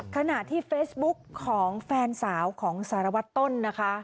ขณะที่เฟซบุ๊กของแฟนสาวของสารวัตรต้นนะคะ